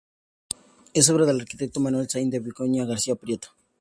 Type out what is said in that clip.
Es obra del arquitecto Manuel Sainz de Vicuña García-Prieto.